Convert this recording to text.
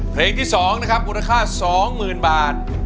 เพลงที่๒นะครับมูลค่า๒๐๐๐บาท